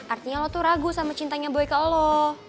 artinya lo tuh ragu sama cintanya boy ke lo